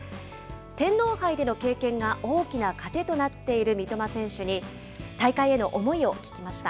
天皇杯での経験が大きな糧となっている三笘選手に、大会への思いを聞きました。